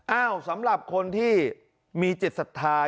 เอ้าสำหรับคนที่มีจิตศัทรา